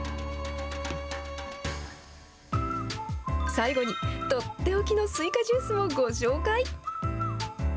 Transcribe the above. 最後に、取って置きのスイカジュースをご紹介。